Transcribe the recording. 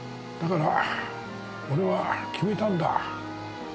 だから俺は決めたんだ。